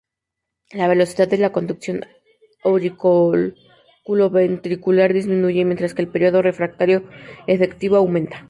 La velocidad de la conducción auriculoventricular disminuye, mientras que el período refractario efectivo aumenta.